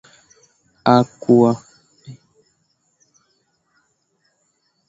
a kwa kuweza kututumia maoni yenu